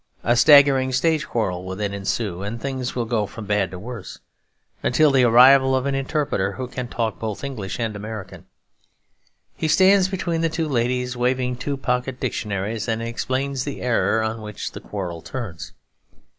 A staggering stage quarrel will then ensue, and things will go from bad to worse; until the arrival of an Interpreter who can talk both English and American. He stands between the two ladies waving two pocket dictionaries, and explains the error on which the quarrel turns.